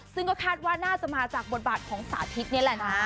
ซึ่งก็คาดว่าน่าจะมาจากบทบาทของสาธิตนี่แหละนะ